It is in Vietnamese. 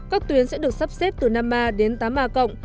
các tuyến sẽ được sắp xếp từ nam ma đến tá ma cộng